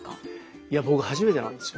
いや僕初めてなんですよ。